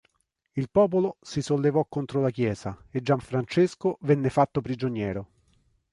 Il popolo si sollevò contro la Chiesa e Gianfrancesco venne fato prigioniero.